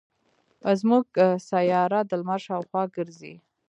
زمونږ سیاره د لمر شاوخوا ګرځي.